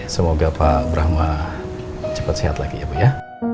semoga pak brahma cepat sehat lagi ya bu ya